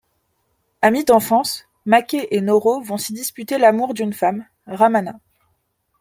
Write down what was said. Amis d'enfance, Make et Noro vont s'y disputer l'amour d'une femme, Ramana.